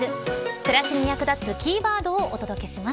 暮らしに役立つキーワードをお届けします。